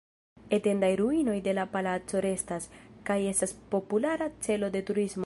Etendaj ruinoj de la palaco restas, kaj estas populara celo de turismo.